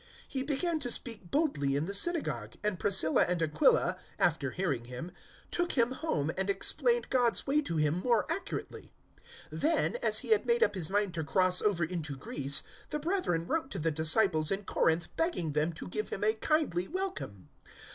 018:026 He began to speak boldly in the synagogue, and Priscilla and Aquila, after hearing him, took him home and explained God's way to him more accurately. 018:027 Then, as he had made up his mind to cross over into Greece, the brethren wrote to the disciples in Corinth begging them to give him a kindly welcome.